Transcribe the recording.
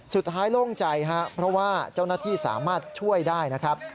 สุดท้ายล่วงใจเพราะว่าเจ้าหน้าที่สามารถช่วยได้นะครับ